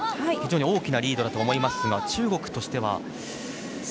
非常に大きなリードだと思いますが中国としては？